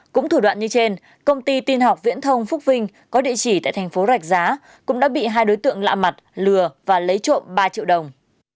cũng thủ đoạn như trên công ty tin học viễn thông phúc vinh có địa chỉ tại thành phố rạch giá cũng đã bị hai đối tượng lạ mặt lừa và lấy trộm ba triệu đồng